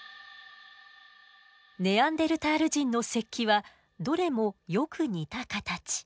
ネアンデルタール人の石器はどれもよく似た形。